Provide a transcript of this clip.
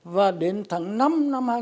và đến tháng năm năm hai nghìn hai mươi